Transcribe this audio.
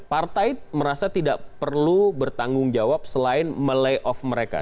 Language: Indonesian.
partai merasa tidak perlu bertanggung jawab selain melayoff mereka